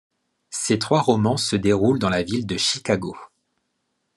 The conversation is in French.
Ces trois romans se déroulent dans la ville de Chicago.